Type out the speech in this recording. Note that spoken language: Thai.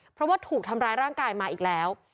เพราะว่าถูกทำร้ายร่างกายมาอีกแล้ว